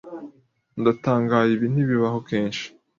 Ndatangaye ibi ntibibaho kenshi.